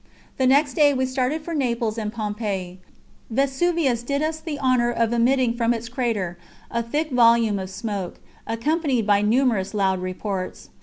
The next day we started for Naples and Pompeii. Vesuvius did us the honour of emitting from its crater a thick volume of smoke, accompanied by numerous loud reports.